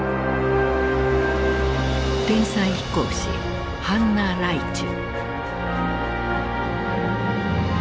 天才飛行士ハンナ・ライチュ。